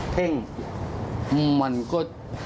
เท่งมันก็